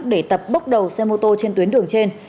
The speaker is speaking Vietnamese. để tập bốc đầu xe mô tô trên tuyến đường trên